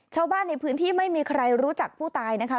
ชาวบ้านในพื้นที่ไม่มีใครรู้จักผู้ตายนะคะ